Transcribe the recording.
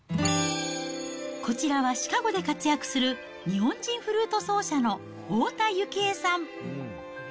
こちらはシカゴで活躍する日本人フルート奏者の太田幸江さん。